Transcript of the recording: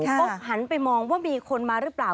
เขาหันไปมองว่ามีคนมาหรือเปล่า